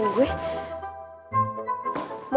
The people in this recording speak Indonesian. tuh kan beneran ngikutin gue